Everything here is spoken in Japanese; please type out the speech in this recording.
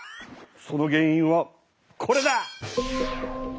その原いんはこれだ！